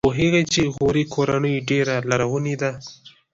ایا پوهیږئ چې غوري کورنۍ ډېره لرغونې ده؟